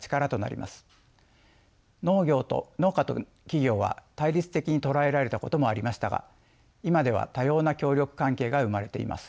農家と企業は対立的に捉えられたこともありましたが今では多様な協力関係が生まれています。